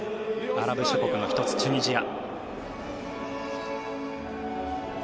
アラブ諸国の１つ、チュニジア。